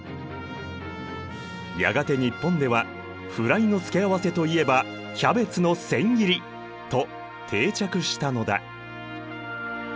やがて日本ではフライの付け合わせといえばキャベツの千切り！と定着したのだ。